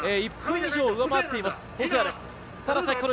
１分以上、上回っています。